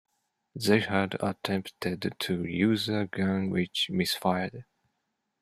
They had attempted to use a gun which misfired.